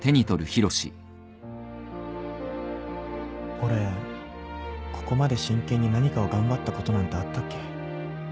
俺ここまで真剣に何かを頑張ったことなんてあったっけ